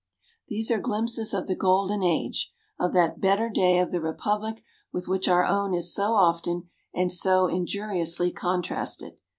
These are glimpses of the golden age, of that "better day" of the republic with which our own is so often and so injuriously contrasted.